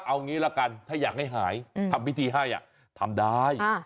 เอางี้ละกันถ้าอยากให้หายทำพิธีให้ทำได้